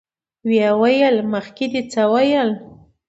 ويې ويل: مخکې دې څه ويل؟